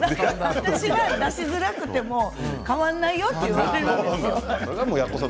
出しづらくても変わらないよと言われるんですけどね。